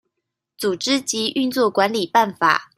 組織及運作管理辦法